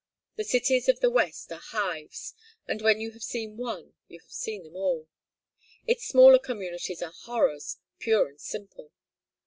The cities of the West are hives, and when you have seen one you have seen all. Its smaller communities are horrors, pure and simple.